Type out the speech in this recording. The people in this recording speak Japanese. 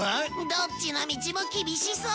どっちの道も厳しそう